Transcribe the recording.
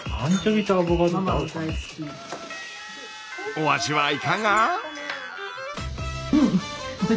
お味はいかが？